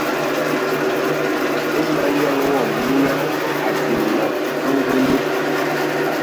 E manyaŋ wɔm nyina a diŋ ma angondo.